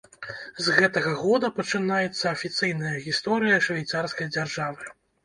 З гэтага года пачынаецца афіцыйная гісторыя швейцарскай дзяржавы.